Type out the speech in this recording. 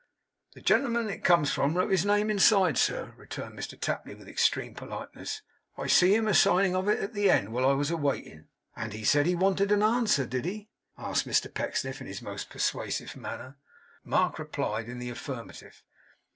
'The gentleman it comes from wrote his name inside, sir,' returned Mr Tapley with extreme politeness. 'I see him a signing of it at the end, while I was a waitin'.' 'And he said he wanted an answer, did he?' asked Mr Pecksniff in his most persuasive manner. Mark replied in the affirmative.